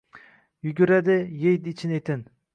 Yuguradi, yeydi ich-etin